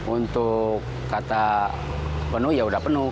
untuk kata penuh ya sudah penuh